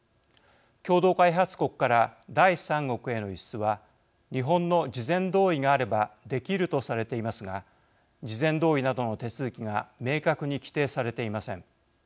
共同開発国から第三国への輸出は日本の事前同意があればできるとされていますが事前同意などの手続きが明確に規定されていません。